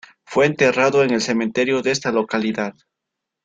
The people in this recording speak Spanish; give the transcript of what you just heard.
Fue enterrado en el cementerio de esta localidad.